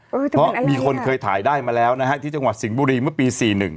เพราะมีคนเคยถ่ายได้มาแล้วนะฮะที่จังหวัดสิงห์บุรีเมื่อปี๔๑